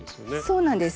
そうなんです。